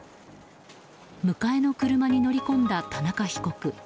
迎えの車に乗り込んだ田中被告。